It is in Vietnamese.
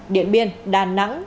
điện biên đà nẵng